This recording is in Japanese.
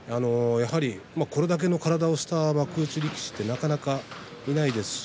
これだけの体をした幕内力士ってなかなかいないですし。